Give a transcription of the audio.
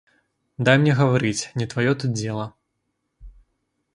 Дай мне гаварыць, не тваё тут дзела!